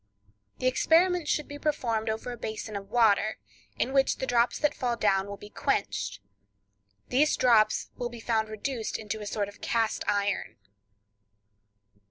The experiment should be performed over a basin of water, in which the drops that fall down will be quenched. These drops will be found reduced into a sort of cast iron.